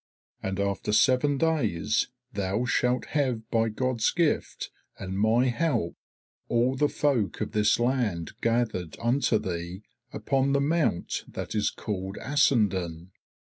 And after seven days thou shalt have by God's gift and my help all the folk of this land gathered unto thee upon the mount that is called Assandun.